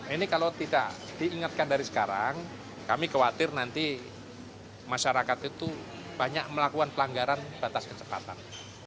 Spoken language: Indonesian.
ini kalau tidak diingatkan dari sekarang kami khawatir nanti masyarakat itu banyak melakukan pelanggaran batas kecepatan